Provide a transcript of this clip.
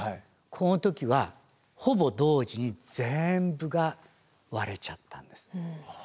この時はほぼ同時に全部が割れちゃったんです。